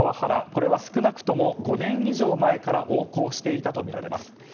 これは少なくとも５年以上前から横行していたとみられます。